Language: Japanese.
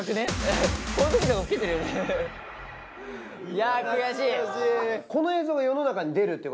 いや悔しい。